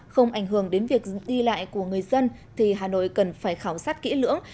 không ảnh hưởng đến việc đi lại của người dân thì hà nội cần phải khảo sát kỹ lưỡng